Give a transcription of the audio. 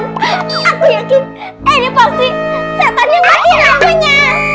aku yakin ini pasti setan yang mati lampunya